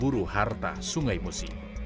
buru harta sungai musi